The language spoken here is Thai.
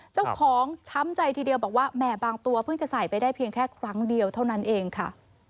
เจ้าของช้ำใจทีเดียวบอกว่าแหม่บางตัวเพิ่งจะใส่ไปได้เพียงแค่ครั้งเดียวเท่านั้นเองค่ะ